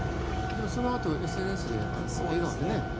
でもそのあとＳＮＳで、笑顔でね。